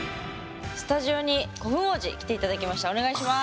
スタジオに古墳王子来て頂きました。